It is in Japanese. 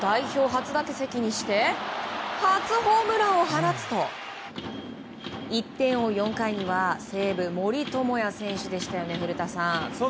初打席にして初ホームランを放つと１点を追う４回には西武の森友哉選手でした、古田さん。